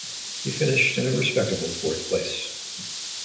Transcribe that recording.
He finished in a respectable fourth-place.